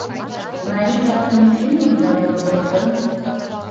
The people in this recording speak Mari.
— Марий ватым кӧ ондален огыл гын?